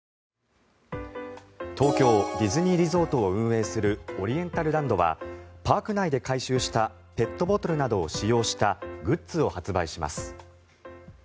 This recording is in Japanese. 東京ディズニーリゾートを運営するオリエンタルランドはパーク内で回収したペットボトルなどを使用したグッズを発売します。